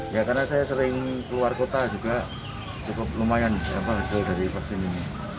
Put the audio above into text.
ya karena saya sering keluar kota juga cukup lumayan hasil dari vaksin ini